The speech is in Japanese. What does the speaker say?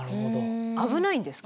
危ないんですか？